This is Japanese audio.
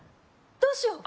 どうしよう